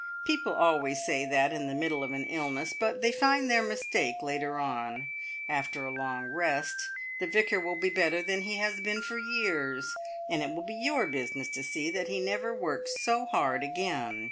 "People always say that in the middle of an illness, but they find their mistake later on. After a long rest the Vicar will be better than he has been for years, and it will be your business to see that he never works so hard again.